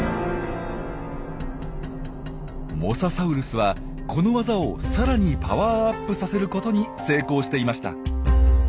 モササウルスはこのワザをさらにパワーアップさせることに成功していました。